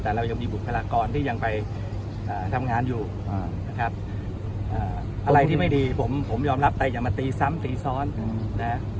แต่เรายังมีบุคลากรที่ยังไปทำงานอยู่นะครับอะไรที่ไม่ดีผมยอมรับแต่อย่ามาตีซ้ำตีซ้อนนะ